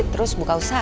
terus buka usaha